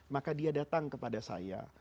maka dia datang kepada saya